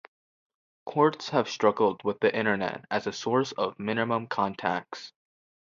Courts have struggled with the Internet as a source of minimum contacts.